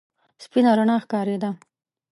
سپينه رڼا ښکارېده.